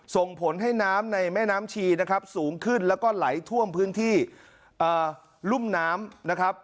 ส่งผลให้น้ำในแม่น้ำชีนะครับสูงขึ้นแล้วก็ไหลท่วมพื้นที่รุ่มน้ำนะครับ